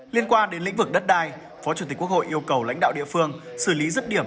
liên quan đến lĩnh vực đất đai phó chủ tịch quốc hội yêu cầu lãnh đạo địa phương xử lý rứt điểm